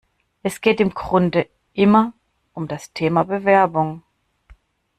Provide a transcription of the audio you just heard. Es geht im Grunde immer um das Thema Bewerbung.